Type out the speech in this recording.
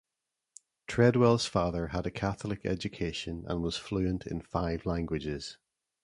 Treadwell's father had a Catholic education and was fluent in five languages.